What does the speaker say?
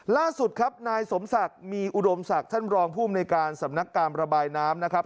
ล่าสุดครับนายสมศักดิ์มีอุดมศักดิ์ท่านรองภูมิในการสำนักการระบายน้ำนะครับ